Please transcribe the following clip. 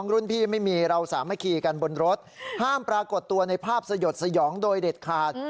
รุ่นพี่ไม่มีเราสามัคคีกันบนรถห้ามปรากฏตัวในภาพสยดสยองโดยเด็ดขาด